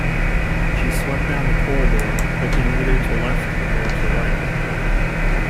She swept down the corridor, looking neither to left nor to right.